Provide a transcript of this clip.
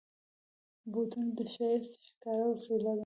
بوټونه د ښایست ښکاره وسیله ده.